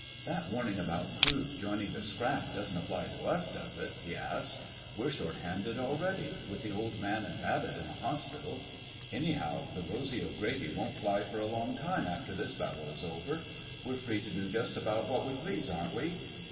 "That warning about crews joining the scrap doesn't apply to us, does it?" he asked. "We're short handed already—with the Old Man and Babbitt in the hospital. Anyhow, the Rosy O'Grady won't fly for a long time after this battle is over. We're free to do just about what we please, aren't we?"